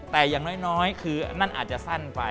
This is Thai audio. แต่อย่างน้อยคือนั่นอาจจะสั้นไป